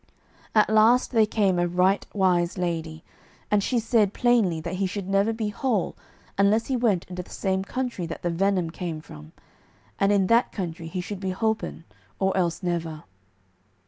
At last there came a right wise lady, and she said plainly that he should never be whole unless he went into the same country that the venom came from, and in that country he should be holpen, or else never.